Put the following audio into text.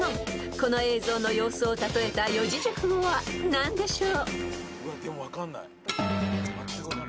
［この映像の様子を例えた四字熟語は何でしょう］